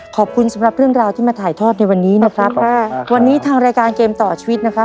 ขอบคุณสำหรับเรื่องราวที่มาถ่ายทอดในวันนี้นะครับค่ะวันนี้ทางรายการเกมต่อชีวิตนะครับ